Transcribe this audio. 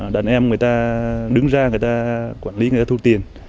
đàn em người ta đứng ra người ta quản lý người ta thu tiền